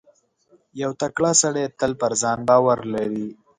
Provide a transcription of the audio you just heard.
• یو تکړه سړی تل پر ځان باور لري.